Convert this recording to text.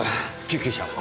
救急車を。